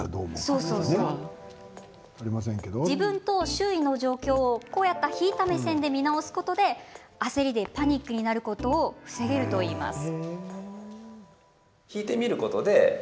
自分と周囲の状況を引いた目線で見直すことで焦りでパニックになることを防げるといいます。